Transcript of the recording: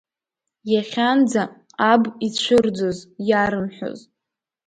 Иахьанӡа аб ицәырӡоз, иарымҳәоз…